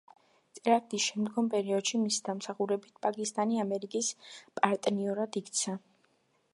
ტერაქტის შემდგომ პერიოდში მისი დამსახურებით პაკისტანი ამერიკის პარტნიორად იქცა.